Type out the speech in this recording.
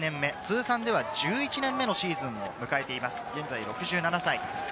通算では１１年目のシーズンを迎えています、現在６７歳。